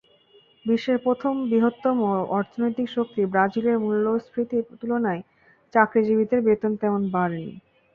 বিশ্বের সপ্তম বৃহত্তম অর্থনৈতিক শক্তি ব্রাজিলের মূল্যস্ফীতির তুলনায় চাকরিজীবীদের বেতন তেমন বাড়েনি।